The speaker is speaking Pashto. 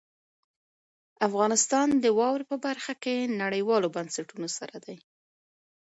افغانستان د واورې په برخه کې نړیوالو بنسټونو سره دی.